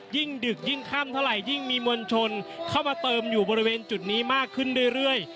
ดึกยิ่งค่ำเท่าไหร่ยิ่งมีมวลชนเข้ามาเติมอยู่บริเวณจุดนี้มากขึ้นเรื่อย